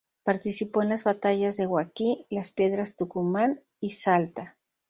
Participó en las batallas de Huaqui, Las Piedras Tucumán y Salta.